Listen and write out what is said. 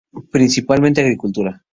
Principalmente agricultura.